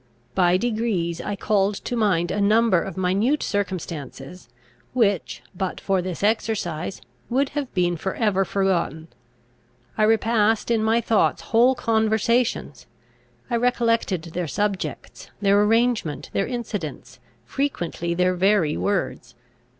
By degrees I called to mind a number of minute circumstances, which, but for this exercise, would have been for ever forgotten. I repassed in my thoughts whole conversations, I recollected their subjects, their arrangement, their incidents, frequently their very words.